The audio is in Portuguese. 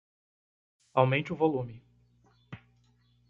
Aumente o volume.